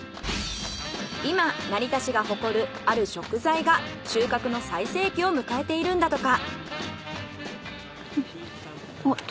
今成田市が誇るある食材が収穫の最盛期を迎えているんだとか。